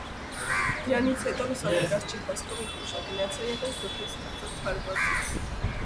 Դրանից հետո, լուսանկարչի խոսքով, ինքն ուշագնաց է եղել գլխին ստացած հարվածից։